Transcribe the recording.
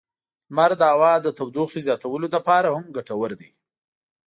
لمر د هوا د تودوخې زیاتولو لپاره هم ګټور دی.